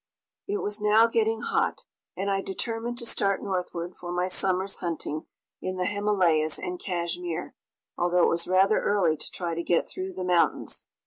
It was now getting hot, and I determined to start northward for my summer's hunting in the Himalayas and Cashmere, although it was rather early to try to get through the mountains.